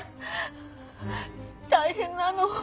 大変なの。